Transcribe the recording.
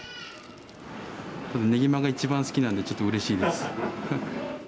ねぎまが一番好きなので、ちょっとうれしいです。